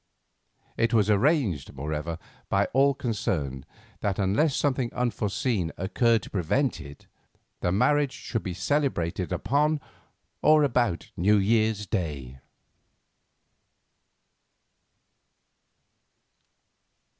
It was arranged, moreover, by all concerned, that unless something unforeseen occurred to prevent it, the marriage should be celebrated upon or about New Year's Day.